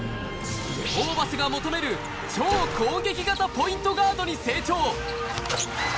ホーバスが求める、超攻撃型ポイントガードに成長。